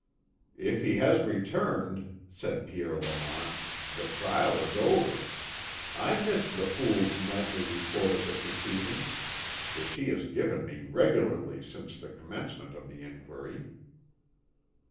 "If he has returned," said Pierre Lamont, "the trial is over. I miss the fool's nightly report of the proceedings, which he has given me regularly since the commencement of the inquiry."